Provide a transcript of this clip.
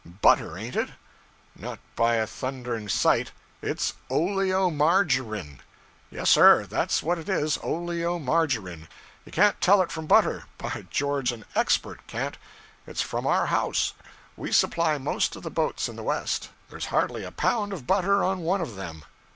butter, ain't it. Not by a thundering sight it's oleomargarine! Yes, sir, that's what it is oleomargarine. You can't tell it from butter; by George, an _expert _can't. It's from our house. We supply most of the boats in the West; there's hardly a pound of butter on one of them.